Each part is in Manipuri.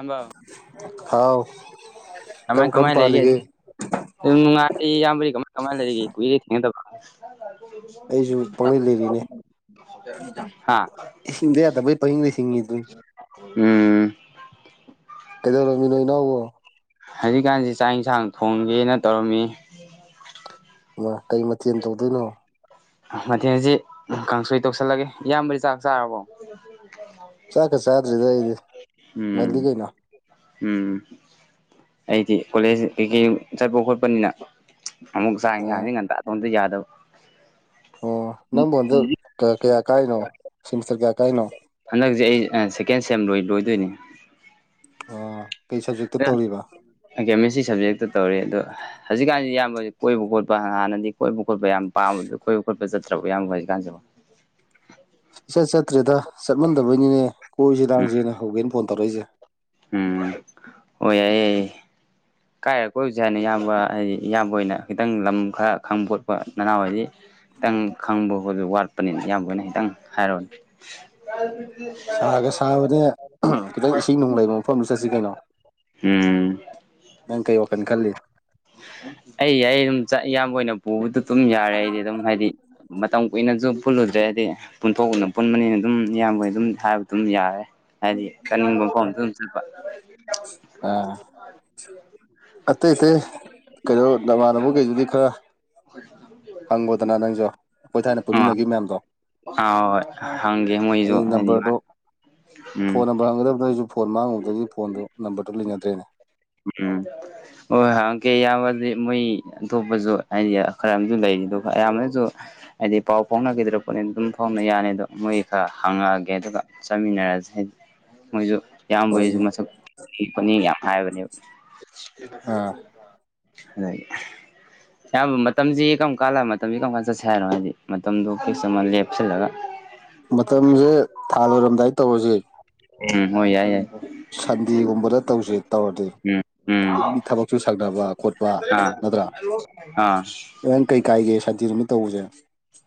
ꯑꯝꯕꯥꯎ ꯊꯥꯎ ꯀꯃꯥꯏ ꯀꯔꯝ ꯀꯔꯝ ꯀꯃꯥꯏ ꯂꯩꯒꯦ ꯄꯥꯜꯂꯤꯒꯦ ꯑꯗꯨꯝ ꯅꯨꯡꯉꯥꯏꯔꯤ ꯏꯌꯥꯝꯕꯗꯤ ꯀꯃꯥꯏ ꯀꯃꯥꯏꯅ ꯂꯩꯔꯤꯒꯦ ꯀꯨꯏꯔꯦ ꯊꯦꯡꯅꯗꯥꯕ ꯑꯩꯖꯨ ꯄꯥꯡꯡꯂꯩ ꯂꯩꯔꯤꯅꯦ ꯍꯥ ꯍꯤꯡꯗꯥ ꯌꯥꯗꯕꯩ ꯄꯍꯤꯡꯗꯥ ꯍꯤꯡꯉꯤꯗꯨꯅꯤ ꯎꯝ ꯀꯩꯗꯧꯔꯝꯃꯤꯅꯣ ꯏꯅꯥꯎꯕꯣ ꯍꯖꯤꯛꯀꯥꯟꯖꯦ ꯆꯥꯛ ꯌꯦꯟꯁꯥꯡ ꯊꯣꯡꯒꯦꯅ ꯇꯧꯔꯝꯃꯤ [unintelligible] ꯃꯥ ꯀꯩ ꯃꯊꯦꯜ ꯇꯧꯗꯣꯏꯅꯣ ꯃꯊꯦꯜꯁꯤ ꯀꯥꯡꯁꯣꯏ ꯇꯧꯁꯜꯂꯒꯦ ꯏꯌꯥꯝꯕꯗꯤ ꯆꯥꯛ ꯆꯥꯔꯕꯣ [unintelligible] ꯆꯥꯛꯀꯥ ꯆꯥꯗ꯭ꯔꯤꯗꯥ ꯑꯩꯗꯤ ꯉꯜꯂꯤ ꯎꯝ ꯀꯩꯅꯣ ꯎꯝ ꯑꯩꯗꯤ ꯀꯣꯂꯦꯖ ꯀꯩꯀꯩ ꯆꯠꯄ ꯈꯣꯠꯄꯅꯤꯅ ꯑꯃꯨꯛ ꯁꯥꯡ ꯑꯥ ꯁꯥꯡꯁꯦ ꯉꯟꯇ ꯇꯨꯝꯖꯦ ꯌꯥꯗꯕ꯫ ꯑꯣ ꯅꯪꯕꯨ ꯍꯣꯟꯗ ꯀꯌꯥ ꯀꯥꯏꯅꯣ ꯁꯤꯦꯃꯤꯁꯇꯔ ꯀꯌꯥ ꯀꯥꯏꯅꯣ ꯍꯟꯗꯛꯁꯦ ꯑꯩ ꯑꯪ ꯁꯦꯀꯦꯟ ꯁꯦꯝ ꯂꯣꯏ ꯂꯣꯏꯗꯣꯏꯅꯤ꯫ ꯑꯣ ꯀꯩ ꯁꯕꯖꯦꯛꯇ ꯇꯧꯔꯤꯕ ꯀꯦꯃꯤꯁꯇ꯭ꯔꯤ ꯁꯕꯖꯦꯛꯇ ꯇꯧꯔꯤ ꯑꯗꯣ ꯍꯧꯖꯤꯛꯀꯥꯟꯁꯤ ꯏꯌꯥꯝꯕ ꯀꯣꯏꯕ ꯈꯣꯠꯄ ꯍꯥꯟꯅꯗꯤ ꯀꯣꯏꯕ ꯈꯣꯠꯄ ꯌꯥꯝ ꯄꯥꯝꯕꯗꯣ ꯀꯣꯏꯕ ꯈꯣꯠꯄ ꯆꯠꯇ꯭ꯔ ꯏꯌꯥꯝꯕ ꯍꯧꯖꯤꯛꯥꯟꯁꯤꯕꯨ꯫ ꯏꯆꯠ ꯆꯠꯇ꯭ꯔꯦꯗ ꯆꯠꯃꯟꯗꯕꯩꯅꯤꯅꯦ ꯀꯣꯏꯁꯤ ꯎꯝ ꯅꯥꯡꯁꯦꯅ ꯍꯧꯒꯦꯅ ꯐꯣꯟ ꯇꯧꯔꯛꯏꯁꯦ ꯎꯝ ꯑꯣꯏ ꯌꯥꯏ ꯀꯥꯏꯔ ꯀꯣꯏꯔꯨꯖꯦ ꯍꯥꯏꯅꯣ ꯏꯌꯥꯝꯕ ꯍꯥꯏꯗꯤ ꯏꯌꯥꯝꯕ ꯑꯣꯏꯅ ꯈꯤꯇꯪ ꯂꯝ ꯈꯔ ꯈꯪꯕ ꯈꯣꯠꯄ ꯅꯅꯥꯎꯋꯥꯏꯗꯤ ꯈꯤꯇꯪ ꯈꯪꯕ ꯈꯣꯠꯕꯗꯣ ꯋꯥꯠꯄꯅꯤꯅ ꯏꯌꯥꯝꯕꯅ ꯈꯤꯇꯪ ꯍꯥꯏꯔꯑꯣꯅꯦ ꯁꯥꯒ ꯁꯥꯕꯅꯦ ꯈꯤꯇꯪ ꯏꯁꯤꯡ ꯅꯨꯡ ꯂꯩꯕ ꯃꯐꯝꯗ ꯆꯠꯁꯤ ꯀꯩꯅꯣ [unintelligible] ꯎꯝ ꯅꯪ ꯀꯩ ꯋꯥꯈꯟ ꯈꯜꯂꯤ ꯑꯩ ꯑꯩ ꯑꯗꯨꯝ ꯆꯥ ꯏꯌꯥꯝꯕ ꯍꯣꯏꯅ ꯄꯨꯕꯗꯨ ꯑꯗꯨꯝ ꯌꯥꯔꯦ ꯑꯩꯗꯤ ꯑꯗꯨꯝ ꯍꯥꯏꯗꯤ ꯃꯇꯝ ꯀꯨꯏꯅꯖꯨ ꯄꯨꯜꯂꯨꯗ꯭ꯔꯦ ꯍꯥꯏꯗꯤ ꯄꯨꯟꯊꯣꯛꯅ ꯄꯨꯟꯕꯅꯤꯅ ꯑꯗꯨꯝ ꯏꯌꯥꯝꯕ ꯑꯗꯨꯝ ꯍꯥꯏꯕ ꯑꯗꯨꯝ ꯌꯥꯔꯦ ꯍꯥꯏꯗꯤ ꯆꯠꯅꯤꯡꯕ ꯃꯐꯝ ꯑꯗꯨꯝ ꯆꯠꯄ ꯑꯥ ꯑꯇꯩ ꯑꯇꯩ ꯀꯩꯅꯣ ꯅꯃꯥꯟꯅꯕ ꯀꯩꯗꯨꯗꯤ ꯈꯔ ꯍꯪꯉꯣꯗꯅ ꯅꯪꯁꯨꯣ ꯑꯩꯈꯣꯏ ꯊꯥꯏꯅ ꯑꯥ ꯄꯨꯟꯃꯤꯟꯅꯈꯤ ꯃꯌꯥꯝꯗꯣ ꯑꯥ ꯍꯣꯏ ꯍꯪꯒꯦ ꯃꯣꯏꯁꯨ ꯑꯩ ꯍꯥꯏꯗꯤ ꯅꯝꯕꯔꯗꯣ ꯎꯝ ꯐꯣꯟ ꯅꯝꯕꯔ ꯍꯪꯒꯗꯕꯗꯣ ꯑꯩꯁꯨ ꯐꯣꯟ ꯃꯥꯡꯉꯨꯕꯗꯒꯤ ꯐꯣꯟꯗꯨ ꯅꯝꯕꯔꯗꯨ ꯂꯩꯅꯗ꯭ꯔꯦꯅꯦ꯫ ꯎꯝ ꯍ ꯍ ꯀꯦ ꯌꯥꯕꯗꯤ ꯃꯣꯏ ꯑꯇꯣꯞꯄꯁꯨ ꯍꯥꯏꯗꯤ ꯈꯔ ꯑꯃꯁꯨ ꯂꯩꯔꯤ ꯑꯗꯨꯒ ꯑꯌꯥꯝꯕꯅꯁꯨ ꯍꯥꯏꯗꯤ ꯄꯥꯎ ꯐꯥꯎꯅꯈꯤꯗ꯭ꯔ ꯄꯣꯠꯅꯤꯅ ꯑꯗꯨꯝ ꯐꯥꯎꯅ ꯌꯥꯅꯤ ꯑꯗꯣ ꯃꯣꯏ ꯈꯔ ꯍꯪꯉꯛꯑꯒꯦ ꯑꯗꯨꯒ ꯆꯥꯃꯤꯟꯅꯔꯁꯦ ꯍꯥꯏꯗꯤ ꯃꯣꯏꯁꯨ ꯏꯌꯥꯝꯕ ꯍꯁꯨ ꯍꯣꯏꯅꯦ ꯃꯁꯛ ꯊꯣꯛꯄꯅꯤ ꯌꯥꯝ ꯍꯥꯏꯕꯅꯦꯕ ꯑꯥ ꯑꯗꯒꯤ ꯑꯌꯥꯝꯕ ꯃꯇꯝꯁꯤ ꯀꯔꯝ ꯀꯥꯟ ꯂꯥꯛ ꯃꯇꯝꯁꯤ ꯀꯔꯝ ꯀꯥꯟ ꯆꯠꯁꯦ ꯍꯥꯏꯅꯣ ꯍꯥꯏꯗꯤ ꯃꯇꯝꯗꯨꯣ ꯐꯤꯁ ꯑꯃ ꯂꯦꯞꯁꯤꯜꯂꯒ ꯃꯇꯝꯁꯦ ꯊꯥ ꯂꯣꯏꯔꯝꯗꯥꯏꯗ ꯇꯧꯔꯁꯤꯦ ꯎꯝ ꯍꯣꯏ ꯌꯥꯏ ꯌꯥꯏ ꯁꯟꯗꯦꯒꯨꯝꯕꯗ ꯇꯧꯁ ꯇꯧꯔꯗꯤ ꯎꯝ ꯎꯝ ꯊꯕꯛꯁꯨ ꯁꯛꯅꯕ ꯈꯣꯠꯄ ꯑꯥ ꯅꯠꯇ꯭ꯔꯥ ꯑꯥ ꯅꯪ ꯀꯩ ꯀꯥꯏꯒꯦ ꯁꯟꯇꯤ ꯅꯨꯃꯤꯠ ꯇꯧꯕꯖꯦ꯫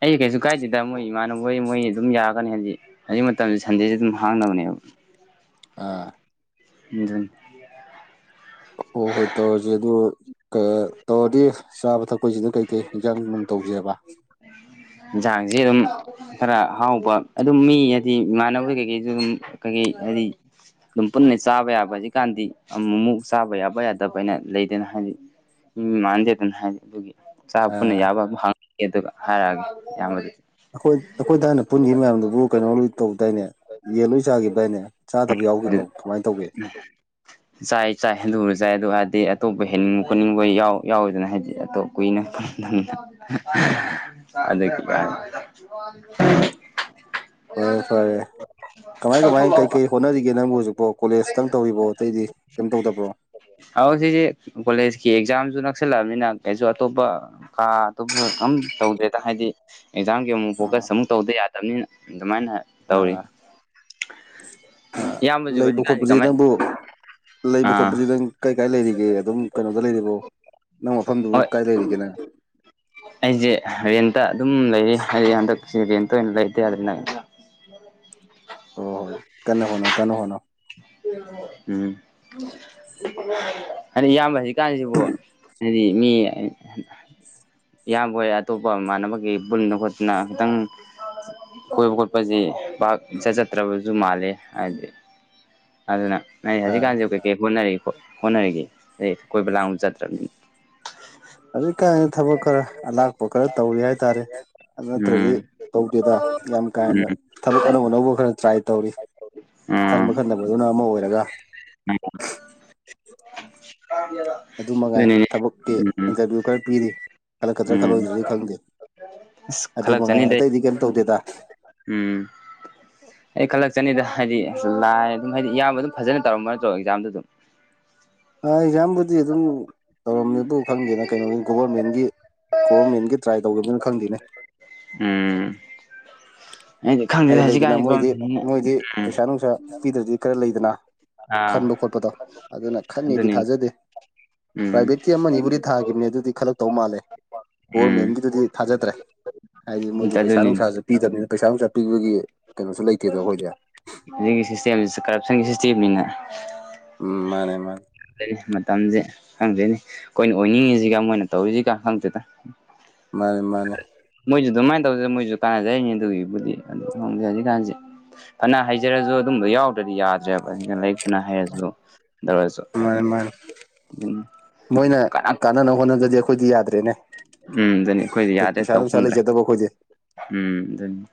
ꯑꯩꯁꯦ ꯀꯩꯁꯨ ꯀꯥꯏꯗꯦꯗ ꯃꯣꯏ ꯏꯃꯥꯟꯅꯕꯣꯏ ꯃꯣꯏ ꯑꯗꯨꯝ ꯌꯥꯒꯅꯤ ꯍꯧꯖꯤꯛ ꯍꯧꯖꯤꯛ ꯃꯇꯝꯁ ꯁꯟꯗꯦꯁꯦ ꯑꯗꯨꯝ ꯍꯥꯡꯅꯕꯅꯦꯕ ꯑꯥ ꯃꯝ [unintelligible] ꯍꯣꯏ ꯍꯣꯏ ꯇꯧꯔꯁꯦ ꯑꯗꯣ ꯇꯧꯔꯗꯤ ꯆꯥꯕ ꯊꯛꯄꯁꯤꯅ ꯀꯩꯀꯩ ꯍꯟꯖꯥꯡ ꯅꯨꯡꯅꯨꯡ ꯇꯧꯁꯦꯕ ꯌꯦꯟꯁꯥꯡꯁꯤ ꯑꯗꯨꯝ ꯈꯔ ꯍꯥꯎꯕ ꯑꯗꯨꯝ ꯃꯤ ꯍꯥꯏꯗꯤ ꯏꯃꯥꯟꯅꯕꯒꯤ ꯀꯩꯀꯩꯁꯨ ꯑꯗꯨꯝ ꯀꯩꯀꯩ ꯍꯥꯏꯗꯤ ꯑꯗꯨꯝ ꯄꯨꯟꯅ ꯆꯥꯕ ꯌꯥꯕ ꯍꯧꯖꯤꯛꯀꯥꯟꯗꯤ ꯑꯃꯨ ꯑꯃꯨꯛ ꯆꯥꯕ ꯌꯥꯕ ꯌꯥꯗꯕ ꯍꯥꯏꯅ ꯂꯩꯗꯅ ꯍꯥꯏꯗꯤ ꯎꯝ ꯃꯥꯟꯗꯦꯗꯅ ꯍꯥꯏ ꯑꯗꯨꯒꯤ ꯆ ꯄꯨꯟꯅ ꯑꯥ ꯌꯥꯕ ꯑꯃ ꯍꯪꯉꯒꯦ ꯑꯗꯨꯒ ꯍꯥꯏꯔꯛꯑꯒꯦ ꯏꯌꯥꯝꯕꯗꯤ ꯑꯩꯈꯣꯏ ꯑꯩꯈꯣꯏꯗ ꯍꯥꯟꯅ ꯄꯨꯟꯈꯤꯕ ꯃꯌꯥꯝꯗꯨꯕꯨ ꯀꯩꯅꯣ ꯂ ꯇꯧ ꯇꯏꯅꯦ ꯌꯦꯟ ꯂꯣꯏ ꯆꯥꯒꯤꯕꯗꯥꯢꯅꯦ ꯆꯥꯗꯕ ꯑꯗꯨ ꯌꯥꯎꯈꯤꯕ꯭ꯔꯣ ꯀꯃꯥꯏꯅ ꯇꯧꯒꯦ꯫ ꯆꯥꯏ ꯆꯥꯏꯕꯁꯨ ꯆꯥꯏ ꯑꯗꯨ ꯍꯥꯏꯔꯗꯤ ꯑꯇꯣꯞꯄ ꯍꯦꯟꯅꯤꯡꯕ ꯈꯣꯠꯅꯤꯡꯕ ꯌꯥꯎꯋꯤꯗꯅ ꯍꯥꯏꯗꯤ ꯑꯇꯣꯞ ꯀꯨꯏꯅ [unintelligible] ꯑꯣ ꯐꯔꯦ ꯐꯔꯦ ꯀꯃꯥꯏ ꯀꯃꯥꯏ ꯀꯩ ꯀꯩ ꯍꯣꯠꯅꯔꯤꯒꯦ ꯅꯪꯕꯨ ꯍꯧꯖꯤꯛꯄꯣ ꯀꯣꯂꯦꯖꯇꯪ ꯇꯧꯔꯤꯕꯣ ꯑꯇꯩꯗꯤ ꯀꯩꯝ ꯇꯧꯗꯕ꯭ꯔꯣ꯫ ꯑ ꯁꯤꯁꯦ ꯀꯣꯂꯦꯖꯀꯤ ꯑꯦꯛꯖꯥꯝꯁꯨ ꯅꯛꯁꯜꯂꯛꯑꯕꯅꯤꯅ ꯀꯩꯁꯨ ꯑꯇꯣꯞꯄ ꯀꯥ ꯑꯗꯨꯕꯨ ꯑꯝ ꯇꯧꯗꯦꯗ ꯍꯥꯏꯗꯤ ꯑꯦꯛꯖꯥꯝꯒꯤ ꯑꯃꯨꯛ ꯑꯥ ꯐꯣꯀꯁ ꯑꯃꯨꯛ ꯇꯧꯗ ꯌꯥꯗꯕꯅꯤꯅ ꯑꯗꯨꯃꯥꯏꯅ ꯇꯧꯔꯤ ꯑꯥ ꯏꯌꯥꯝꯕꯁꯨ ꯂꯩꯕ ꯍꯧꯖꯤꯛꯀꯥꯟꯁꯤ ꯈꯣꯠꯄꯁꯦ ꯀꯃꯥꯏ ꯅꯪꯕꯨ ꯂꯩꯕ ꯑꯥ ꯈꯣꯠꯄꯁꯤ ꯅꯪ ꯀꯩ ꯀꯥꯏ ꯂꯩꯔꯤꯒꯦ ꯑꯗꯨꯝ ꯀꯩꯅꯣꯗ ꯂꯩꯔꯤꯕꯣ ꯅꯪ ꯃꯐꯝꯗꯨꯕꯨ ꯍꯣꯏ ꯀꯥꯏ ꯂꯩꯔꯤꯒꯦꯅ ꯑꯩꯁꯦ ꯔꯦꯟꯇ ꯑꯗꯨꯝ ꯂꯩꯔꯤ ꯍꯥꯏꯗꯤ ꯍꯟꯗꯛꯁꯦ ꯔꯦꯟꯇ ꯑꯣꯏꯅ ꯂꯩꯇ ꯌꯥꯗꯅ ꯍ ꯍꯣꯏ ꯍꯣꯏ ꯀꯟꯅ ꯍꯣꯠꯅꯧ ꯀꯟꯅ ꯍꯣꯠꯣ ꯎꯝ꯫ [inaudible] ꯍꯥꯏꯗꯤ ꯏꯌꯥꯝꯕ ꯍꯧꯖꯤꯛꯀꯥꯟꯁꯤꯕꯨ ꯍꯥꯏꯗꯤ ꯃꯤ ꯏꯌꯥꯝꯕ ꯍꯣꯏ ꯑꯇꯣꯞꯄ ꯃꯃꯥꯟꯅꯕꯒꯤ ꯄꯨꯟꯅ ꯈꯣꯠꯇꯅ ꯈꯤꯇꯪ ꯀꯣꯏꯕ ꯈꯣꯠꯄꯁꯤ ꯄꯥꯛ ꯆꯠ ꯆꯠꯇ꯭ꯔꯕꯁꯨ ꯃꯥꯂꯦ ꯍꯥꯏꯗꯤ ꯑꯗꯨꯅ ꯅꯣꯢ ꯑꯥ ꯍꯧꯖꯤꯛꯀꯥꯟꯁꯦ ꯀꯩ ꯀꯩ ꯍꯣꯠꯅꯔꯤ ꯍꯣꯠ ꯍꯣꯠꯅꯔꯤꯒꯦ ꯑꯩ ꯀꯣꯏꯕ ꯂꯥꯡꯕ ꯆꯠꯇ꯭ꯔꯕꯅꯤꯅ꯫ ꯍꯧꯖꯤꯛ ꯀꯥꯏꯅ ꯊꯕꯛ ꯈꯔ ꯑꯂꯥꯛꯄ ꯈꯔ ꯇꯧꯔꯤ ꯍꯥꯏꯇꯥꯔꯦ ꯑꯗꯨ ꯅꯠꯇ꯭ꯔꯗꯤ ꯎꯝ ꯇꯧꯗꯦꯗ ꯌꯥꯝ ꯀꯥ ꯍꯦꯟꯅ ꯎꯝ ꯊꯕꯛ ꯑꯅꯧ ꯑꯅꯧꯕ ꯈꯔ ꯇ꯭ꯔꯥꯏ ꯇꯧꯔꯤ ꯈꯟꯕ ꯈꯟꯗꯕꯗꯨꯅ ꯑꯃ ꯑꯣꯏꯔꯒ꯫ ꯑꯗꯨ ꯃꯉꯥꯏ ꯑꯗꯨ ꯊꯕꯛꯀꯤ ꯏꯟꯇꯔꯚꯤꯌꯨ ꯈꯔ ꯄꯤꯔꯤ ꯈꯜꯂꯛꯀꯗ꯭ꯔꯥ ꯎꯝ ꯈꯜꯂꯛꯑꯣꯢꯗ꯭ꯔꯗꯤ ꯈꯪꯗꯦ ꯑꯁ ꯑꯗꯨ ꯃꯉꯥꯏ ꯈꯜꯂꯛꯆꯅꯤꯗ ꯑꯇꯩꯗꯤ ꯀꯩꯝ ꯇꯧꯗꯦꯗ꯫ ꯎꯝ꯫ ꯑꯩ ꯈꯜꯂꯛꯆꯅꯤꯗ ꯍꯥꯏꯗꯤ ꯂꯥꯏ ꯑꯗꯨꯝ ꯍꯥꯏꯗꯤ ꯏꯌꯥꯝꯕ ꯑꯗꯨꯝ ꯐꯖꯅ ꯇꯧꯔꯝꯕ ꯅꯠꯇ꯭ꯔꯣ ꯑꯦꯛꯖꯥꯝꯗꯨ ꯑꯗꯨꯝ ꯑꯥ ꯑꯦꯛꯖꯥꯝꯕꯨꯗꯤ ꯑꯗꯨꯝ ꯇꯧꯔꯝꯃꯦꯕꯨ ꯈꯪꯗꯦꯅ ꯀꯩꯅꯣꯒꯤ ꯒꯣꯕꯔꯃꯦꯟꯒꯤ ꯒꯣꯔꯃꯦꯟꯒꯤ ꯇ꯭ꯔꯥꯏ ꯇꯧꯒꯈꯤꯕꯅꯤꯅ ꯈꯪꯗꯦꯅꯦ ꯎꯝ ꯑꯩꯗꯤ ꯑꯩ ꯈꯪꯗꯦꯗ ꯂꯩꯗꯅ ꯍꯧꯖꯤꯛꯀꯥꯟꯗꯤ ꯃꯣꯏꯗꯤ ꯒꯣꯔꯃꯦꯟꯅ ꯃꯣꯏꯗꯤ ꯎꯝ ꯄꯩꯁꯥ ꯅꯨꯡꯁꯥ ꯄꯤꯗ꯭ꯔꯗꯤ ꯈꯔ ꯂꯩꯗꯅ ꯑꯥ ꯈꯟꯕ ꯈꯣꯠꯄꯗꯣ ꯑꯗꯨꯅ ꯈꯟꯅꯤꯗꯤ ꯑꯗꯨꯅꯤꯅꯦ ꯊꯥꯖꯗꯦ ꯎꯝ ꯄ꯭ꯔꯥꯏꯚꯦꯠꯀꯤ ꯑꯃꯅꯤꯕꯨꯗꯤ ꯊꯥꯒ ꯝꯅꯦ ꯑꯗꯨꯗꯤ ꯈꯜꯂꯛ ꯇꯧ ꯃꯥꯜꯂꯦ ꯎꯝ ꯒꯣꯔꯃꯦꯟꯒꯤꯗꯨꯗꯤ ꯊꯥꯖꯗ꯭ꯔꯦ ꯍꯥꯏꯗꯤ ꯃꯣꯏꯗꯤ ꯑꯝꯇ ꯄꯩꯁꯥ ꯑꯗꯨꯅꯤꯅꯦ ꯅꯨꯡꯁꯥꯁꯨ ꯄꯤꯗꯕꯅꯤꯅ ꯄꯩꯁꯥ ꯅꯨꯡꯁꯥ ꯄꯤꯕꯒꯤ ꯀꯩꯅꯣꯁꯨ ꯂꯩꯇꯦꯗꯕ ꯑꯩꯈꯣꯏꯗꯤꯦ ꯁꯤꯒꯤ ꯁꯤꯁꯇꯦꯝꯁꯤꯗ ꯀꯔꯞꯁꯟꯒꯤ ꯁꯤꯁꯇꯦꯝꯅꯤꯅ ꯎꯝ ꯃꯥꯅꯦ ꯃꯥꯅꯦ ꯪ ꯃꯇꯝꯁꯦ ꯈꯪꯗꯣꯏꯅꯦ ꯑꯩꯈꯣꯏꯅ ꯑꯣꯏꯅꯤꯡꯉꯤꯁꯤꯒ ꯃꯣꯏꯅ ꯇꯧꯔꯤꯁꯤꯒ ꯈꯪꯗꯦꯗ ꯃꯥꯅꯦ ꯃꯥꯅꯦ ꯃꯣꯏꯁꯨ ꯑꯗꯨꯃꯥꯏꯅ ꯇꯧꯖ ꯃꯣꯏꯁꯨ ꯀꯥꯟꯅꯖꯔꯤꯅꯤ ꯑꯗꯨꯒꯤꯕꯨꯗꯤ ꯑꯗꯨ ꯈꯣꯡꯖꯩ ꯍꯧꯖꯤꯛꯀꯥꯟꯁꯦ ꯐꯅ ꯍꯩꯖꯔꯁꯨ ꯑꯗꯨꯝꯕꯣ ꯌꯥꯎꯗ꯭ꯔꯗꯤ ꯌꯥꯗ꯭ꯔꯦꯕ ꯑꯩꯅ ꯂꯥꯏꯔꯤꯛ ꯐꯅ ꯍꯩꯔꯁꯨ ꯇꯧꯔꯁꯨ ꯍꯥꯏꯗꯤ ꯃꯥꯅꯦ ꯃꯣꯏꯅ ꯑꯗꯨꯝ ꯃꯣꯢꯅ ꯀꯅꯥ ꯀꯥꯟꯅꯅꯕ ꯍꯣꯠꯅꯕꯗꯤ ꯑꯩꯈꯣꯏꯗꯤ ꯌꯥꯗ꯭ꯔꯦꯅꯦ ꯎꯝ ꯑꯗꯨꯅꯤ ꯑꯩꯈꯣꯏꯗꯤ ꯌꯥꯗꯦ ꯄꯩꯁꯥ ꯇꯧ ꯅꯨꯡꯁꯥ ꯐꯪꯗ꯭ꯔꯦ ꯂꯩꯖꯗꯕ ꯑꯩꯈꯣꯏꯗꯤ ꯎꯝ ꯑꯗꯨꯅꯤ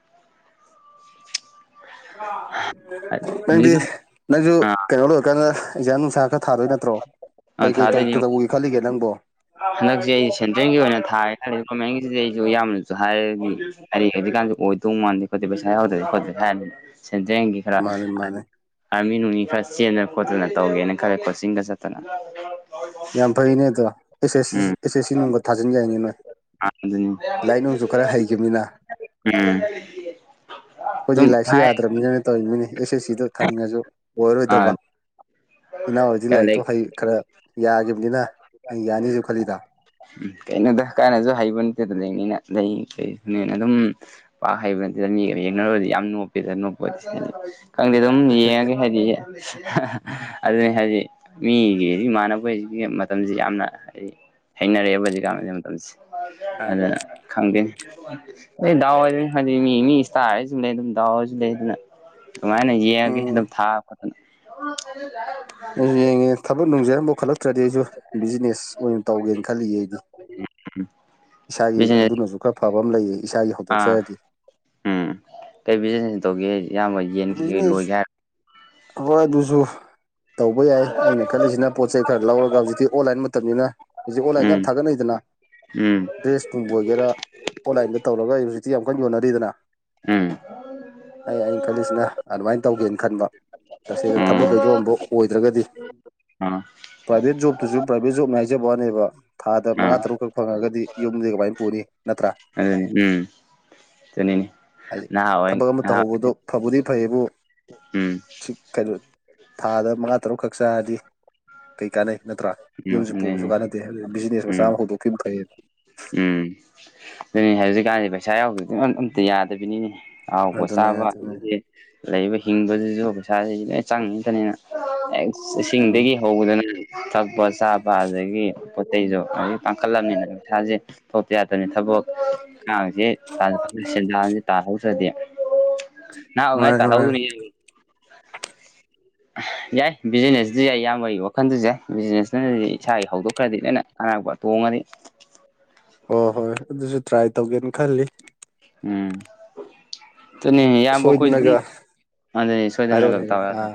ꯅꯪꯗꯤ ꯍꯧꯖꯤꯛꯀꯥꯟ ꯅꯪꯁꯨ ꯑꯥ ꯀꯩꯅꯣ ꯂꯣꯏꯔꯀꯥꯟꯗ ꯏꯟꯖꯥꯝ ꯅꯨꯡꯁꯥꯝ ꯈꯔ ꯊꯥꯗꯣꯏ ꯅꯠꯇ꯭ꯔꯣ ꯑꯥ ꯀꯩ ꯊꯥꯗꯣꯏꯅꯤ ꯀꯩꯧꯗꯧꯕꯒꯦ ꯈꯜꯂꯤꯒꯦ ꯅꯪꯕꯣ ꯍꯟꯗꯛꯁꯦ ꯑꯩ ꯁꯦꯟꯇ꯭ꯔꯦꯜꯒꯤ ꯑꯣꯏꯅ ꯊꯥꯇꯥꯔꯗꯤ ꯒꯣꯔꯃꯦꯟꯒꯤꯁꯤꯗꯤ ꯑꯩꯁꯨ ꯌꯥꯝꯅꯁꯨ ꯍꯥꯏꯔꯗꯤ ꯑꯩꯔꯤ ꯍꯧꯖꯤꯛꯀꯥꯟꯗꯤ ꯑꯣꯏꯗꯧ ꯃꯥꯟꯗꯦ ꯈꯣꯠꯇꯦ ꯄꯩꯁꯥ ꯌꯥꯗ꯭ꯔꯦ ꯈꯣꯠꯇ꯭ꯔꯦ ꯍꯥꯏꯔꯅꯤꯅ ꯁꯦꯟꯗ꯭ꯔꯦꯜꯒꯤ ꯈꯔ ꯃꯥꯅꯦ ꯃꯥꯅꯦ ꯑꯥꯔꯃꯤ ꯅꯨꯡꯅꯤ ꯈꯔ ꯆꯦꯟꯗꯅ ꯈꯣꯠꯇꯅ ꯇꯧꯒꯦꯅ ꯈꯜꯂꯦ ꯀꯣꯆꯤꯡꯒ ꯆꯠꯇꯅ ꯌꯥꯝ ꯐꯩꯅꯦ ꯑꯗꯣ ꯑꯦꯁ ꯑꯦꯁ ꯎꯝ ꯑꯦꯁ ꯑꯦꯁ ꯁꯤ ꯅꯨꯡꯒ ꯊꯥꯖꯤꯟ ꯌꯥꯏꯅꯤ ꯅꯣꯏ ꯑꯗꯨꯅꯤ ꯂꯥꯏꯅꯨꯡꯁꯨ ꯈꯔ ꯍꯩꯈꯤꯕꯅꯤꯅ ꯎꯝ ꯑꯩꯈꯣꯏꯗꯤ ꯑꯗꯨꯝ ꯂꯥꯏꯔꯤꯛꯁꯤ ꯍꯥꯏ ꯌꯥꯗ꯭ꯔꯕꯅꯤꯅꯅ ꯇꯧꯔꯤꯅꯤꯅꯤ ꯑꯦꯁ ꯑꯦꯁ ꯁꯤꯗ ꯊꯥꯅꯤꯡꯉꯁꯨ ꯑꯣꯏꯔꯔꯣꯏꯗꯕ ꯏꯅꯥꯎꯣꯏꯗꯤ ꯂꯥꯏꯔꯤꯛꯇꯣ ꯂꯥꯏꯛ ꯍꯩ ꯈꯔ ꯌꯥꯈꯤꯕꯅꯤꯅ ꯑꯩ ꯌꯥꯅꯤꯁꯨ ꯈꯜꯂꯤꯗ ꯎꯝ ꯀꯩꯅꯣꯗ ꯀꯥꯟꯅꯁꯨ ꯍꯩꯕ ꯅꯠꯇꯦ ꯑꯗꯨ ꯂꯩꯅꯤꯅ ꯂꯩ ꯀꯩꯁꯨꯅꯦꯅ ꯑꯗꯨꯝ ꯄꯥꯛ ꯍꯩꯕ ꯅꯠꯇꯅ ꯃꯤꯒ ꯌꯦꯡꯅꯔꯨꯔꯗꯤ ꯌꯥꯝ ꯅꯣꯞꯄꯦꯗ ꯅꯣꯞꯄ ꯈꯪꯗꯦ ꯑꯗꯨꯝ ꯌꯦꯡꯉꯒꯦ ꯍꯥꯏꯗꯤ ꯑꯗꯨꯅꯤ ꯍꯥꯏꯗꯤ ꯃꯤꯒꯤ ꯏꯃꯥꯟꯅꯕꯩ ꯃꯇꯝꯁꯤ ꯌꯥꯝꯅ ꯑꯩ ꯍꯩꯅꯔꯦꯕ ꯍꯧꯖꯤꯛꯀꯥꯟ ꯃꯇꯝꯁꯦ ꯑꯗꯨꯅ ꯈꯪꯗꯦꯅꯦ ꯑꯩ ꯗꯥꯎ ꯑꯣꯏꯗꯣꯏꯅꯤ ꯍꯥꯏꯗꯤ ꯃꯤ ꯃꯤ ꯏꯁꯇꯥꯔꯁꯨ ꯂꯩ ꯑꯗꯨꯝ ꯗꯥꯎ ꯑꯣꯏꯔꯁꯨ ꯂꯩ ꯑꯗꯨꯅ ꯑꯗꯨꯃꯥꯏꯅ ꯌꯦꯡꯉꯒꯦ ꯎꯝ ꯑꯗꯨꯝ ꯊꯥꯕ ꯈ ꯑꯗꯨ ꯌꯦꯡꯉꯦ ꯊꯕꯛ ꯅꯨꯡꯖꯔꯝꯐꯥꯎ ꯈꯜꯂꯛꯇ꯭ꯔꯗꯤ ꯑꯩꯁꯨ ꯕꯤꯖꯤꯅꯦꯁ ꯑꯣꯏꯅ ꯇꯧꯒꯦꯅ ꯈꯜꯂꯤ ꯑꯩꯗꯤ ꯏꯁꯥꯒꯤ ꯕꯤꯖꯤꯅꯦꯁ ꯑꯗꯨꯅꯁꯨ ꯈꯔ ꯐꯕ ꯑꯃ ꯂꯩꯌꯦ ꯏꯁꯥꯒꯤ ꯑꯥ ꯍꯧꯗꯣꯛꯆꯔꯗꯤ ꯎꯝ ꯀꯩ ꯕꯤꯖꯤꯅꯦꯁ ꯇꯧꯒꯦ ꯏꯌꯥꯝꯕ ꯌꯦꯟ ꯀꯩꯀꯩ ꯕꯤꯖꯤꯅꯦꯁ ꯂꯣꯏꯒꯦ ꯍꯥꯏꯔꯣ ꯑꯋꯥꯏ ꯑꯗꯨꯁꯨꯣ ꯇꯧꯕ ꯌꯥꯏ ꯑꯩꯅ ꯈꯜꯂꯤꯁꯤꯅ ꯄꯣꯠ ꯆꯩ ꯈꯔ ꯂꯧꯔꯒ ꯍꯧꯖꯤꯛꯇꯤ ꯑꯣꯟꯂꯥꯏꯟ ꯃꯇꯝꯅꯤꯅ ꯍꯧꯛ ꯑꯣꯂꯥꯏꯅ ꯌꯥꯝ ꯎꯝ ꯊꯥꯒꯅ ꯑꯩꯗꯅ ꯎꯝ ꯗ꯭ꯔꯦꯁꯀꯨꯝꯕ ꯑꯣꯏꯒꯦꯔꯥ ꯑꯣꯟꯂꯥꯏꯟꯗ ꯇꯧꯔꯒ ꯑꯩ ꯍꯧꯖꯤꯛꯇꯤ ꯌꯥꯝ ꯀꯟꯅ ꯌꯣꯟꯅꯔꯤꯗꯅ ꯎꯝ ꯑꯩ ꯑꯩꯅ ꯈꯜꯂꯤꯁꯤꯅ ꯑꯗꯨꯃꯥꯏꯅ ꯇꯧꯒꯦꯅ ꯈꯟꯕ ꯇꯁꯦꯡꯅ ꯎꯝ ꯊꯕꯛꯈꯩꯗꯣ ꯑꯃꯨꯛ ꯑꯣꯏꯗ꯭ꯔꯒꯗꯤ ꯑꯥ ꯄ꯭ꯔꯥꯏꯚꯦꯠ ꯖꯣꯕꯇꯨꯁꯨ ꯄ꯭ꯔꯥꯏꯚꯦꯠ ꯖꯣꯕꯅꯦ ꯍꯥꯏꯖꯕ ꯋꯥꯅꯦꯕ ꯊꯥꯗ ꯃꯉꯥ ꯑꯥ ꯇꯔꯨꯛꯈꯛ ꯐꯪꯉꯒꯗꯤ ꯌꯨꯝꯗꯤ ꯀꯃꯥꯏꯅ ꯄꯨꯅꯤ ꯅꯠꯇ꯭ꯔꯥ ꯑꯗꯨ ꯎꯝ ꯆꯅꯤꯅꯦ ꯍꯥꯏꯗꯤ ꯅ ꯊꯕꯛ ꯑꯃ ꯇꯧꯍꯧꯕꯗꯣ ꯐꯕꯨꯗꯤ ꯐꯩꯌꯦꯕꯨ ꯎꯝ ꯍꯧꯛ ꯀꯩꯅꯣ ꯊꯥꯗ ꯃꯉꯥ ꯇꯔꯨꯛꯈꯛ ꯆꯥꯔꯗꯤ ꯀꯩ ꯀꯥꯟꯅꯩ ꯅꯠꯇ꯭ꯔꯥ ꯎꯝ ꯌꯨꯝꯁꯤ ꯄꯨꯕꯁꯨ ꯑꯗꯨꯅꯤ ꯀꯥꯟꯅꯗꯦ ꯑꯗꯨ ꯕꯤꯖꯤꯅꯦꯁ ꯃꯆꯥ ꯎꯝ ꯑꯃ ꯍꯧꯗꯣꯛꯈꯤꯕ ꯐꯩ ꯎꯝ ꯑꯗꯨꯅꯤ ꯍꯧꯖꯤꯛꯀꯥꯟꯗꯤ ꯄꯩꯁꯥ ꯌꯥꯎꯗꯗꯤ ꯑꯝꯇ ꯌꯥꯗꯕꯤꯅꯤꯅꯦ ꯑꯗꯨꯅꯦ ꯍꯥꯎꯕꯣꯁꯥꯕ ꯑꯗꯨꯅꯦ ꯂꯩꯕ ꯍꯤꯡꯕꯗꯨꯁꯨ ꯄꯩꯁꯥꯁꯤ ꯂꯣꯏ ꯆꯪꯉꯇꯅꯤꯅ ꯎꯝ ꯏꯁꯤꯡꯗꯒꯤ ꯍꯧꯕꯗꯅ ꯊꯛꯄ ꯆꯥꯕ ꯑꯗꯒꯤ ꯄꯣꯠ ꯆꯩꯁꯨ ꯑꯗꯨꯗꯒꯤ ꯄꯥꯡꯈꯠꯂꯝꯃꯤꯅ ꯄꯩꯁꯥꯁꯦ ꯊꯣꯛꯇ ꯌꯥꯗꯅꯤ ꯊꯕꯛ ꯀꯥꯡꯁꯦ ꯁꯦꯟꯗꯥꯟꯁꯦ ꯇꯥꯍꯧꯗ꯭ꯔꯗꯤꯦ ꯑꯨ ꯉ ꯃꯥꯅꯤ ꯇꯥꯂꯕꯨꯗ ꯃꯥꯅꯤ ꯅ ꯌꯥꯏ ꯕꯤꯖꯤꯅꯦꯁꯇ ꯌꯥꯏ ꯌꯥꯝꯕ ꯋꯥꯈꯟꯗꯨꯁꯨ ꯌꯥꯏ ꯕꯤꯖꯤꯅꯦꯁ ꯑꯗꯨꯗꯤ ꯏꯁꯥꯒꯤ ꯍꯧꯗꯣꯛꯈ꯭ꯔꯗꯤ ꯂꯣꯏꯅ ꯑꯅꯥꯛꯄ ꯇꯣꯡꯉꯗꯤ ꯍ ꯍꯣꯏ ꯑꯗꯨꯁꯨ ꯇ꯭ꯔꯥꯏ ꯇꯧꯒꯦꯅ ꯈꯜꯂꯤ ꯎꯝꯅꯤ ꯌꯥꯝ ꯃꯈꯈꯣꯏꯁꯨ ꯑꯗꯨ ꯁꯣꯏꯗꯅꯒ ꯑꯗꯨꯅꯤ ꯁꯣꯏꯗꯅ ꯇ ꯍꯥꯏꯔꯛꯑꯣꯅꯦ ꯑꯥ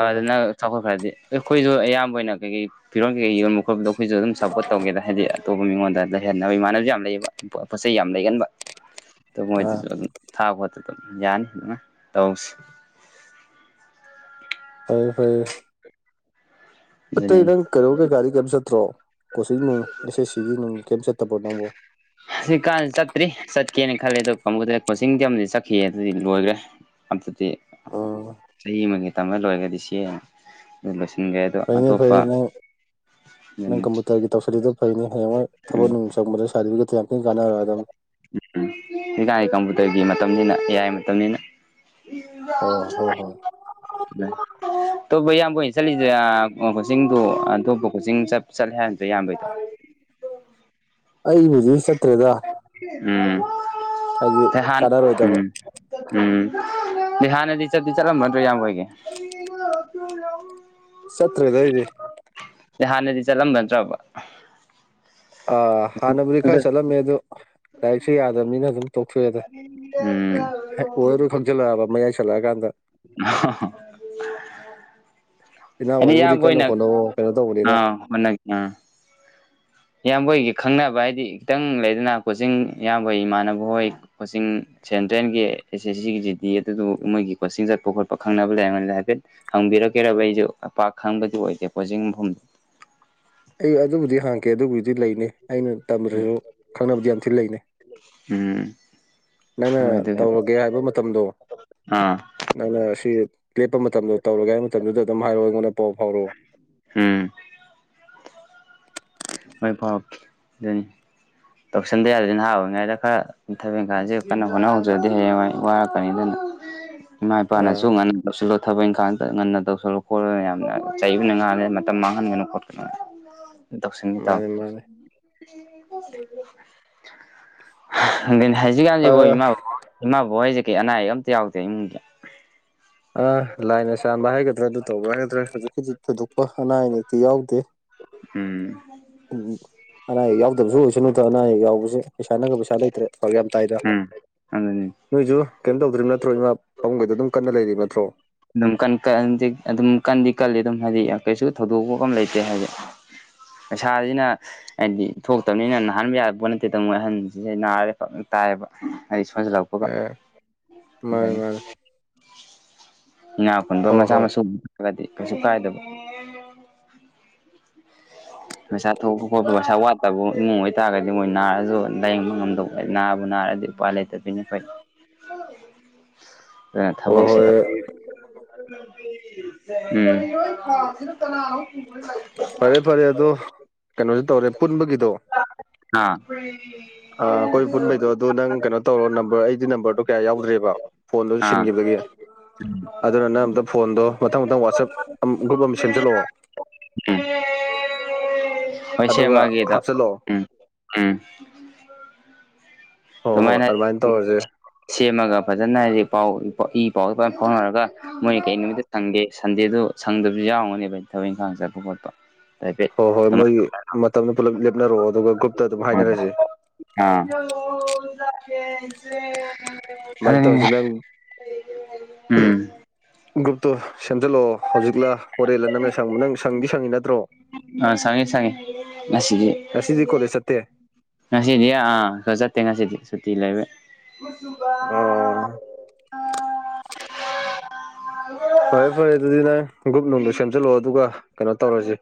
ꯍꯣꯏ ꯆꯥꯎꯈꯠꯈ꯭ꯔꯗꯤ ꯑꯩꯈꯣꯏꯁꯨ ꯑꯌꯥꯝꯕ ꯑꯣꯏꯅ ꯀꯩꯀꯩ ꯐꯤꯔꯣꯟꯜꯩ ꯌꯣꯟꯕ ꯈꯣꯠꯨꯞꯗ ꯑꯩꯈꯣꯏ ꯑꯗꯨꯝꯞꯄꯣꯔꯠ ꯇꯧꯒꯦꯗ ꯍꯥꯏꯗꯤ ꯑꯇꯣꯞꯄ ꯃꯤꯉꯣꯟꯗ ꯂꯩꯍꯟꯅꯕ ꯏꯃꯥꯟꯅꯕꯁꯨ ꯌꯥꯝ ꯂꯩꯌꯦꯕ ꯄꯣꯠ ꯆꯩ ꯌꯥꯝ ꯂꯩꯒꯟꯕ [unintelligible] ꯑꯗꯨ ꯑꯥ ꯃꯣꯏꯗꯁꯨ ꯑꯗꯨꯝ ꯊꯥꯕ ꯈꯣꯠꯄ ꯑꯗꯨꯝ ꯌꯥꯅꯤ ꯑꯗꯨꯅ ꯇꯧꯁꯤ ꯐꯩꯌꯦ ꯐꯔꯌꯦ ꯑꯇꯩ ꯑꯗꯨꯅꯤꯅꯦ ꯅꯪ ꯀꯩꯅꯣ ꯀꯩꯀꯥꯗꯤ ꯀꯩꯝ ꯆꯠꯇ꯭ꯔꯣ ꯀꯣꯆꯤꯡ ꯅꯨꯡ ꯑꯦꯁ ꯑꯦꯁ ꯁꯤꯒꯤ ꯅꯨꯡ ꯀꯩꯝ ꯆꯠꯇꯕ꯭ꯔꯣ ꯅꯪꯕꯨꯣ ꯁꯤ ꯀꯥꯟ ꯆꯠꯇ꯭ꯔꯤ ꯆꯠꯀꯦꯅ ꯈꯜꯂꯦ ꯑꯗꯣ ꯀꯗ ꯀꯣꯆꯤꯡꯗꯤ ꯑꯃꯗꯤ ꯆꯠꯈꯤꯌꯦ ꯑꯗꯨꯗꯤ ꯂꯣꯏꯈ꯭ꯔꯦ ꯑꯗꯨꯗꯤ ꯑꯣ ꯆꯍꯤ ꯑꯃꯒꯤ ꯇꯝꯕ ꯂꯣꯏꯔꯒꯗꯤ ꯁꯤ ꯑꯗꯨ ꯂꯣꯏꯁꯤꯟꯒꯦ ꯑꯗꯣ ꯐꯩꯅꯦ ꯑꯇꯣꯞꯄ ꯐꯩꯅꯦ ꯅꯪ ꯅꯪ ꯑꯗꯨꯅꯤ ꯀꯝꯄꯨꯇꯔꯒꯤ ꯇꯧꯁꯤꯜꯂꯤꯗꯣ ꯐꯩꯅꯤ ꯍꯌꯦꯡ ꯍꯣꯏ ꯊꯕꯛ ꯎꯝ ꯅꯨꯡ ꯆꯪꯕꯗ ꯁ ꯁꯥꯔꯇꯤꯐꯤꯀꯦꯠꯇ ꯌꯥꯝ ꯊꯤꯅ ꯀꯥꯟꯅꯔꯒ ꯑꯗꯨꯝ ꯎꯝ ꯎꯝꯀ ꯀꯝꯄꯨꯇꯔꯒꯤ ꯃꯇꯝꯅꯤꯅ ꯑꯦꯌꯥꯥꯏ ꯃꯇꯝꯅꯤꯅ ꯑꯣ ꯍꯣ ꯍꯣꯏ [unintelligible] ꯑꯇꯣꯞꯄ ꯏꯌꯥꯝꯕ ꯑꯣꯏꯅ ꯆꯠꯂꯤꯁꯦ ꯀꯣꯆꯤꯡꯗꯣ ꯑꯇꯣꯞꯄ ꯀꯣꯆꯤꯡ ꯆꯠꯂꯦ ꯍꯥꯏ ꯏꯌꯥꯝꯕꯩꯗꯣ ꯑꯩ ꯍꯧꯖꯤ ꯎꯝ ꯍꯥꯏꯗꯤ ꯐꯍꯥꯟ ꯀꯥꯟꯅꯔꯣꯏꯗꯕ ꯎꯝ ꯎꯝ ꯍꯥꯟꯅꯗꯤ ꯆꯠꯇ ꯆꯠꯂꯝꯕꯗ꯭ꯔꯣ ꯌꯥꯝ ꯑꯣꯏꯒꯦ ꯌꯥ ꯁꯠꯇꯦꯗ ꯏꯗꯤ ꯍꯥꯟꯅꯗꯤ ꯆꯠꯂꯝ ꯅꯠꯇ꯭ꯔꯕ ꯑ ꯍꯥꯟꯅꯕꯨꯗꯤ ꯈꯔ ꯆꯠꯂꯝꯃꯦ ꯑꯗꯣ ꯂꯥꯏꯔꯤꯛꯁꯨ ꯌꯥꯗꯕꯅꯤꯅ ꯑꯗꯨꯝ ꯇꯣꯛꯊꯣꯛꯑꯦꯗ ꯎꯝ ꯑꯣꯏꯔꯣꯏ ꯈꯪꯖꯤꯜꯂꯛꯑꯕ ꯃꯌꯥꯏ ꯁꯜꯂꯛꯑꯀꯥꯟꯗ ꯑ ꯏꯅꯥꯎ ꯍꯥꯏꯦꯗꯤ ꯌꯥ ꯍꯣꯏꯕꯨꯗꯤ ꯀꯟꯅ ꯀꯣꯏꯅ ꯍꯣꯠꯅꯧꯑꯣ ꯀꯩꯅꯣ ꯑ ꯇꯧꯕꯅꯤꯅ ꯀꯣꯏꯅ ꯑ ꯏꯌꯥꯝꯕ ꯍꯣꯢꯒꯤ ꯈꯪꯅꯕ ꯍꯥꯏꯗꯤ ꯈꯤꯇꯪ ꯂꯩꯗꯅ ꯀꯣꯆꯤꯡ ꯏꯌꯥꯝꯕꯣꯏ ꯏꯃꯥꯟꯅꯕ ꯍꯣꯏ ꯀꯣꯆꯤꯡ ꯁꯦꯟꯇ꯭ꯔꯦꯜꯒꯤ ꯑꯦꯁ ꯑꯦꯁ ꯁꯤꯒꯤ ꯖꯤ ꯗꯤ ꯑꯗꯨꯗꯨ ꯃꯣꯏꯒꯤ ꯀꯣꯆꯤꯡ ꯆꯠꯄ ꯈꯣꯠꯄ ꯈꯪꯅꯕ ꯂꯩꯔꯝꯅꯤꯅ ꯍꯥꯏꯐꯦꯠ ꯍꯪꯕꯤꯔꯛꯀꯦꯔꯕ ꯑꯩꯁꯨꯄꯥꯛ ꯈꯪꯕꯗꯤ ꯑꯣꯏꯗꯦ ꯀꯣꯆꯤꯡ ꯃꯐꯝꯗꯣ ꯑꯩ ꯑꯗꯨꯕꯨꯗꯤ ꯍꯥꯡꯀꯦ ꯑꯗꯨꯕꯨꯗꯤ ꯂꯩꯅꯤ ꯑꯩꯅ ꯇꯝꯗ꯭ꯔꯁꯨ ꯈꯪꯅꯕꯗꯤ ꯌꯥꯝ ꯊꯤꯅ ꯂꯩꯅꯩ ꯎꯝ ꯅꯪꯅ ꯍꯣꯏ ꯑꯗꯨ ꯍꯥꯏꯐꯦꯠ ꯇꯧꯔꯒꯦ ꯍꯥꯏꯕ ꯃꯇꯝꯗꯣ ꯑꯥ ꯅꯪꯅ ꯑꯁꯤ ꯂꯦꯞꯄ ꯃꯇꯝꯗꯣ ꯇꯧꯔꯒꯦ ꯍꯥꯏꯕ ꯃꯇꯝꯗꯨꯗ ꯑꯗꯨꯝ ꯍꯥꯏꯔꯛꯑꯣ ꯑꯩꯉꯣꯟꯗ ꯄꯥꯎ ꯐꯥꯎꯔꯛꯑꯣ ꯎꯝ ꯃꯥꯏ ꯄꯥ ꯑꯗꯨꯅꯤ ꯇꯧꯁꯟꯗ ꯌꯥꯗꯗꯤ ꯅꯍꯥ ꯑꯣꯏꯅꯤꯉꯩꯗ ꯈꯔ ꯊꯕ ꯀꯥꯟꯁꯤ ꯀꯟꯅ ꯍꯣꯠꯅ ꯍꯧꯖꯕꯗꯤ ꯍꯌꯦꯡꯋꯥ ꯋꯥꯔꯛꯀꯅꯤ ꯑꯗꯨꯅ ꯎ ꯏꯃꯥ ꯏꯄꯥꯅꯁꯨ ꯉ ꯊꯕꯛ ꯏꯪꯈꯥꯡꯗ ꯉꯟꯅ ꯇꯧꯁꯜꯂꯨ ꯈꯣꯠꯂ ꯌꯥꯝꯅ ꯆꯩꯕꯅ ꯉꯥꯜꯂꯦ ꯃꯇꯝ ꯃꯥꯡꯍꯟꯒꯅꯨ ꯈꯣꯠꯀꯅꯨ ꯁꯪꯏꯇꯥ ꯃꯥꯅꯤ ꯃꯥꯅꯤ ꯍꯧꯖꯤꯛꯀꯥꯟꯁꯤꯕꯨ ꯑꯥ ꯏꯃꯥꯕ ꯏꯃꯥꯕꯣꯛ ꯍꯥꯏꯖꯛ ꯀ ꯑꯅꯥ ꯑꯌꯦꯛ ꯑꯝꯇ ꯌꯥꯎꯗꯦ ꯏꯃꯨꯡꯗ ꯑ ꯂꯥꯏꯅꯁ ꯆꯥꯟꯕ ꯍꯥꯏꯒꯗ꯭ꯔꯥ ꯑꯗꯨ ꯇꯧꯕ ꯍꯥꯏꯒꯗ꯭ꯔꯥ ꯍꯧꯖꯤꯛ ꯍꯧꯖꯤꯛ ꯊꯣꯏꯗꯣꯛꯄ ꯑꯅꯥ ꯑꯌꯦꯛꯇꯤ ꯌꯥꯎꯗꯦ ꯎꯝ ꯎꯝ ꯑꯅꯥ ꯑꯌꯦꯛ ꯌꯥꯎꯗꯕꯁꯨ ꯑꯣꯏꯁꯅꯠꯇ꯭ꯔꯥ ꯑꯅꯥ ꯑꯌꯦꯛ ꯌꯥꯎꯁꯦ ꯄꯩꯁꯥꯅꯪꯒ ꯄꯩꯁꯥ ꯂꯩꯇ꯭ꯔꯦ ꯌꯥꯝ ꯇꯥꯏꯗ ꯎꯝ ꯑꯗꯨꯅꯤ ꯅꯣꯏꯁꯨ ꯀꯩꯝ ꯇꯧꯗ꯭ꯔꯤꯕ ꯅꯠꯇ꯭ꯔꯣ ꯏꯃꯥ ꯄꯥꯃꯨꯡꯈꯩꯗ ꯑꯗꯨꯝ ꯀꯟꯅ ꯂꯩꯔꯤ ꯅꯠꯇ꯭ꯔꯣ ꯑꯗꯨꯝ ꯑꯗꯨꯝ ꯀꯟꯗꯤ ꯀꯜꯂꯤ ꯑꯗꯨꯝ ꯍꯥꯏꯗꯤ ꯀꯩꯁꯨ ꯊꯧꯗꯣꯛꯄ ꯀ ꯂꯩꯇꯦ ꯍꯥꯏꯗꯤ ꯄꯩꯁꯥꯖꯤꯅ ꯍꯥꯏꯗꯤ ꯊꯣꯛꯇꯕꯅꯤꯅ ꯅꯥꯍꯟ ꯌꯥꯔꯛꯄ ꯅꯠꯇꯦꯗ ꯃꯣꯏ ꯑꯍꯟꯁꯤꯗꯦ ꯅꯥꯔꯦ ꯐꯛꯅ ꯇꯥꯏꯑꯕ ꯍꯥꯏꯗꯤ ꯁꯣꯟꯖꯜꯂꯛꯄ ꯑꯦ ꯃꯥꯅꯦ ꯃꯥꯅꯦ ꯏꯅꯥꯄꯨꯟꯗꯣ ꯍꯣꯏ ꯃꯆꯥ ꯍꯣꯏ ꯃꯁꯨꯒꯗꯤ ꯀꯩꯁꯨ ꯀꯥꯏꯗꯕ ꯄꯩꯁꯥ ꯊꯣꯛꯄ ꯈꯣꯠꯄ ꯄꯩꯁꯥ ꯋꯥꯠꯇꯕ ꯏꯃꯨꯡ ꯑꯣꯏꯇꯥꯔꯒꯗꯤ ꯃꯣꯏ ꯅꯥꯔꯁꯨ ꯂꯥꯏꯌꯦꯡꯕ ꯉꯝꯗꯧꯕ ꯅꯥꯕꯨ ꯅꯥꯔꯗꯤ ꯎꯄꯥꯏ ꯂꯩꯇꯕꯣꯏꯅ ꯑꯩꯈꯣꯏ ꯑꯗꯨꯅ ꯍꯣꯏ ꯊꯕꯛꯁꯤꯗ ꯍꯣꯏ ꯀꯅꯥ ꯐꯔꯦ ꯐꯔꯦ ꯑꯗꯣ ꯀꯩꯅꯣꯁ ꯇꯧꯔꯦ ꯄꯨꯟꯕꯒꯤꯗꯣ ꯑ ꯑ ꯑꯩꯈꯣꯏ ꯄꯨꯟꯕꯩꯗꯣ ꯑꯗꯨ ꯅꯪ ꯀꯩꯅꯣ ꯇꯧꯔꯣ ꯅꯝꯕꯔ ꯑꯩꯗꯤ ꯅꯝꯕꯔꯗꯣ ꯀꯌꯥ ꯌꯥꯎꯗ꯭ꯔꯦꯕ ꯐꯣꯟꯗꯨꯁꯨ ꯑꯥ ꯁꯤꯟꯈꯤꯕꯒꯤ ꯑꯗꯨꯅ ꯅꯪ ꯑꯝꯇ ꯐꯣꯟꯗꯣ ꯃꯊꯪ ꯃꯊꯪ ꯋꯥꯆꯞ ꯒ꯭ꯔꯨꯞ ꯑꯃ ꯁꯦꯝꯖꯤꯜꯂꯛꯑꯣ ꯎꯝ ꯑꯗꯨꯒ ꯍꯥꯞꯆꯤꯜꯂꯛꯑꯣ ꯎꯝ ꯎꯝ ꯍꯣꯏ ꯍꯣꯏ ꯑꯗꯨꯃꯥꯏꯅ ꯇꯧꯔꯖꯦ ꯁꯦꯝꯃꯒ ꯐꯖꯅ ꯔꯤꯄꯥꯎ ꯏ ꯄꯥꯎꯖ ꯐꯖꯟꯅ ꯐꯥꯎꯅꯔꯒ ꯅꯣꯏ ꯀꯩ ꯅꯨꯃꯤꯠꯇ ꯁꯟꯗꯦ ꯁꯟꯗꯦꯗꯣ ꯁꯪꯗꯕꯁꯨ ꯌꯥꯎꯒꯅꯦꯕ ꯊꯕꯛ ꯏꯪꯈꯥꯡ ꯆꯠꯄ ꯈꯣꯠꯄ ꯍꯥꯏꯐꯦꯠ ꯍꯣꯏ ꯍꯣꯏ ꯃꯣꯏ ꯃꯇꯝꯗꯨ ꯄꯨꯜꯂꯞ ꯂꯦꯞꯅꯔꯛꯑꯣ ꯑꯗꯨꯒ ꯒ꯭ꯔꯨꯞꯇ ꯑꯗꯨꯝ ꯍꯥꯏꯅꯔꯁꯦ [unintelligible] ꯑꯗꯨꯃꯥꯏꯅ ꯑꯗꯨ ꯇꯧꯔꯁꯤ ꯅꯪ ꯎꯝ ꯒ꯭ꯔꯨꯞꯇꯨ ꯁꯦꯝꯖꯤꯜꯂꯛꯑꯣ ꯍꯧꯖꯤꯛꯂ ꯍꯣꯔꯦꯜꯂ ꯅꯪꯅ ꯁꯪꯕ ꯅꯪ ꯁꯪꯗꯤ ꯁꯪꯉꯤ ꯅꯠꯇ꯭ꯔꯣ ꯑꯥ ꯁꯪꯉꯦ ꯁꯪꯉꯦ ꯉꯁꯤꯗꯤ ꯉꯁꯤꯗꯤ ꯀꯣꯂꯦꯖ ꯆꯠꯇꯦ ꯉꯁꯤꯗꯤ ꯑꯥ ꯆꯠꯇꯦ ꯉꯁꯤꯗꯤ ꯁꯨꯇꯤ ꯂꯩꯕꯩ ꯈꯨꯁꯨꯕ ꯑꯣ ꯐꯔꯦ ꯐꯔꯦ ꯑꯗꯨꯗꯤ ꯅꯪ ꯒ꯭ꯔꯨꯞ ꯅꯨꯡꯗꯨ ꯁꯦꯝꯖꯤꯜꯂꯛꯑꯣ ꯑꯗꯨꯒ ꯀꯩꯅꯣ ꯇꯧꯔꯖꯤ꯫